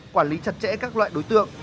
quản lý chặt chẽ các loại đối tượng